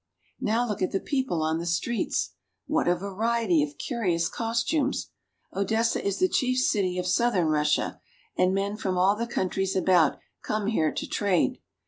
Now look at the people on the streets. What a variety of curious costumes ! Odessa is the chief city of southern IN ODESSA. 313 Russia, and men from all the countries about come here to trade.